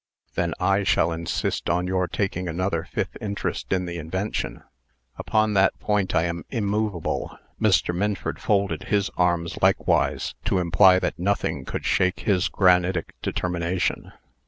"Then I shall insist on your taking another fifth interest in the invention. Upon that point I am immovable." Mr. Minford folded his arms likewise, to imply that nothing could shake his granitic determination.